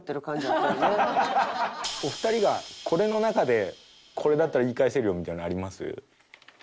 お二人はこれの中でこれだったら言い返せるよみたいなのあります？